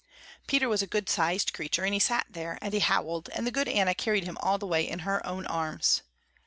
Peter was a good sized creature and he sat there and he howled, and the good Anna carried him all the way in her own arms.